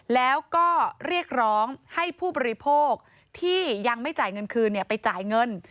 แล้วก็เรียกร้องให้ผู้บริโภคที่ยังไม่จ่ายเงินคืนไปจ่ายเงิน